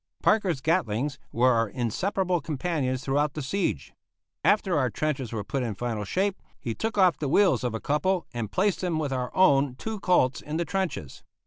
Parker's Gatlings were our inseparable companions throughout the siege. After our trenches were put in final shape, he took off the wheels of a couple and placed them with our own two Colts in the trenches.